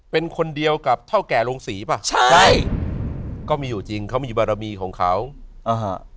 เป็นคนเดียวกับเท่าแก่โรงศรีป่ะใช่ใช่ก็มีอยู่จริงเขามีบารมีของเขาอ่าฮะ